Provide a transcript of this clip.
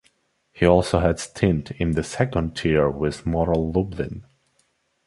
He also had stint in the second tier with Motor Lublin.